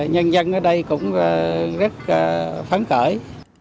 nhân dân ở đây cũng rất phấn khởi